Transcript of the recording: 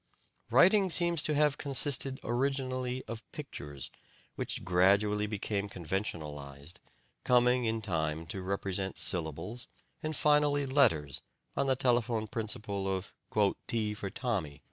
Writing seems to have consisted originally of pictures, which gradually became conventionalized, coming in time to represent syllables, and finally letters on the telephone principle of "T for Tommy."